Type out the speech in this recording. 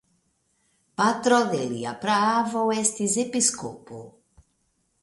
Patro de lia praavo estis episkopo.